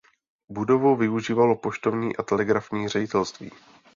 Budovu využívalo poštovní a telegrafní ředitelství.